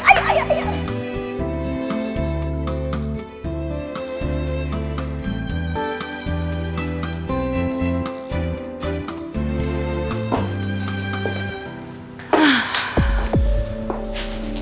pasti saya akan dari ke tempat ini